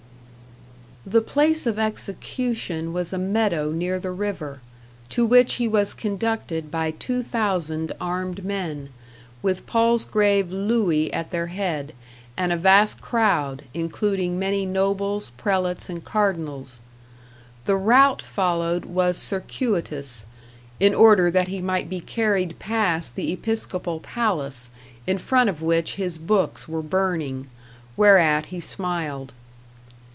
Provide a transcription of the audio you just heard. The place of execution was a meadow near the river, to which he was conducted by two thousand armed men, with Palsgrave Louis at their head, and a vast crowd, including many nobles, prelates, and cardinals. The route followed was circuitous, in order that he might be carried past the episcopal palace, in front of which his books were burning, whereat he smiled.